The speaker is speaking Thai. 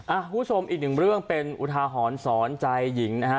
คุณผู้ชมอีกหนึ่งเรื่องเป็นอุทาหรณ์สอนใจหญิงนะฮะ